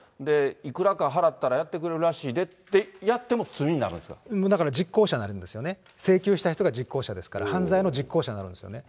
いくらか払ったらやってくれるらしいでって、やっても罪になるんだから実行者になるんですよね、請求した人が実行者ですから、犯罪の実行者になるんですね。